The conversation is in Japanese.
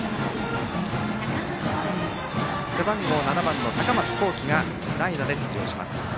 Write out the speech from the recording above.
背番号７番の高松宏季が代打で出場します。